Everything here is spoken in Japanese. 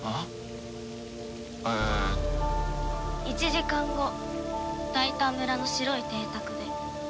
１時間後大丹村の白い邸宅で。